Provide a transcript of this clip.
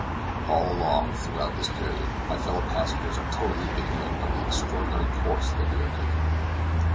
All along, throughout this period, my fellow passengers are totally ignorant of the extraordinary course that we are taking.